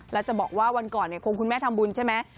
แล้วจะบอกว่าวันก่อนเนี่ยคงคุณแม่ทำบุญใช่ไหม